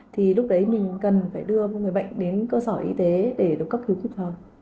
thì lúc đấy mình cần phải đưa người bệnh đến cơ sở y tế để được cấp cứu kịp thời